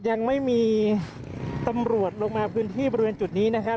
ยังไม่มีตำรวจลงมาพื้นที่บริเวณจุดนี้นะครับ